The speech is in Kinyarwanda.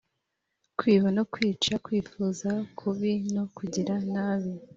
Kwiba no kwica kwifuza kubi no kugira nabi